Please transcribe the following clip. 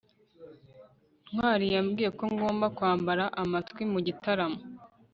ntwali yambwiye ko ngomba kwambara amatwi mu gitaramo